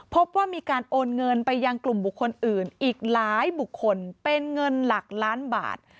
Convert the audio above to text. พบว่ามีการโอนเงินไปยังกลุ่มบุคคลอื่นอีกหลายบุคคลเป็นเงินหลักล้านบาท